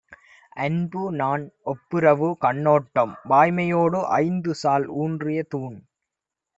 அன்பு, நாண், ஒப்புரவு, கண்ணோட்டம், வாய்மையொடு ஐந்து சால்ஊன்றிய தூண்.